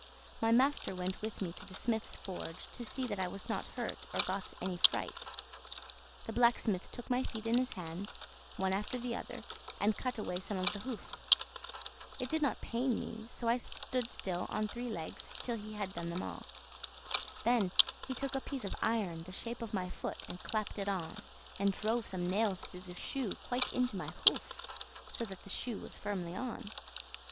My master went with me to the smith's forge, to see that I was not hurt or got any fright. The blacksmith took my feet in his hand, one after the other, and cut away some of the hoof. It did not pain me, so I stood still on three legs till he had done them all. Then he took a piece of iron the shape of my foot, and clapped it on, and drove some nails through the shoe quite into my hoof, so that the shoe was firmly on.